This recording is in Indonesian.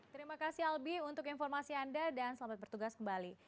terima kasih albi untuk informasi anda dan selamat bertugas kembali